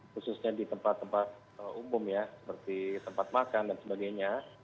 khususnya di tempat tempat umum ya seperti tempat makan dan sebagainya